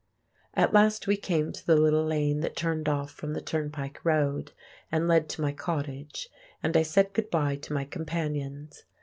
At last we came to the little lane that turned off from the turnpike road, and led to my cottage, and I said good bye to my companions.